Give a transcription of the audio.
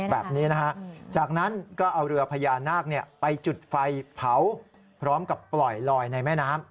แบบนี้นะฮะจากนั้นก็เอาเรือพญานาคไปจุดไฟเผาพร้อมกับปล่อยลอยในแม่น้ำ